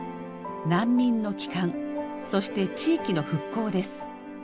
難民の帰還そして地域の復興です。